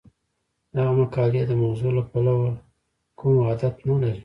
دغه مقالې د موضوع له پلوه کوم وحدت نه لري.